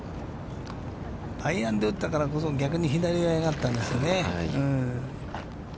アイアンで打ったからこそ左を嫌がったんですね。